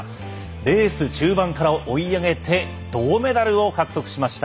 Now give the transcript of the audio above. レース中盤から追い上げて銅メダルを獲得しました。